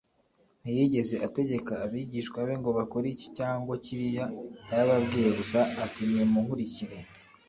Ntiyigeze ategeka abigishwa be ngo bakore iki cyangwa kiriya, yarababwiye gusa ati, “Nimunkurikire